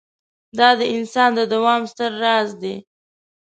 دا د انسان د دوام ستر راز دی.